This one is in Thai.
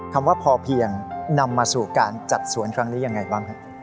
คำว่าพอเพียงนำมาสู่การจัดสวนครั้งนี้ยังไงบ้างครับ